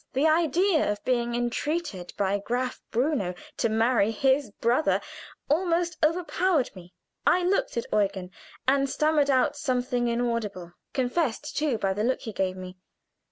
The idea of being entreated by Graf Bruno to marry his brother almost overpowered me. I looked at Eugen and stammered out something inaudible, confused, too, by the look he gave me.